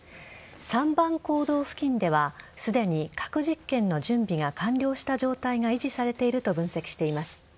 ３番坑道付近ではすでに、核実験の準備が完了した状態が維持されていると分析しています。